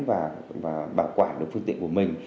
và bảo quản được phương tiện của mình